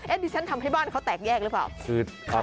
ดิฉันทำให้บ้านเขาแตกแยกหรือเปล่า